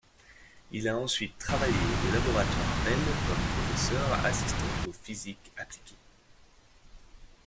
Il a ensuite travaillé aux Laboratoires Bell comme professeur assistant en physique appliquée.